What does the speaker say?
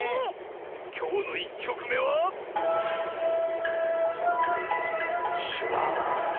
きょうの１きょくめはシュバーン。